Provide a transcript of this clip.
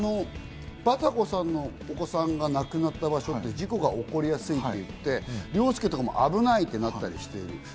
バタコさんのお子さんが亡くなった場所って事故が起こりやすいって言って、凌介も危ないと言ってたりする。